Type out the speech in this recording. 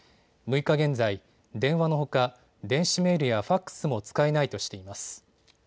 ６日現在、電話のほか電子メールやファックスも使えないとしています。